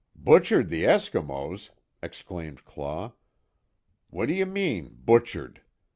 "Butchered the Eskimos!" exclaimed Claw, "What d'you mean butchered?